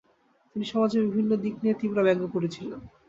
তিনি সমাজের বিভিন্ন দিক নিয়ে তীব্র ব্যঙ্গ করেছিলেন।